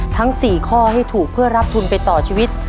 ทั้ง๔ข้อให้ถูกเพื่อรับทุนไปต่อชีวิต